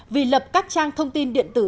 vì lập các trang thông tin điện tử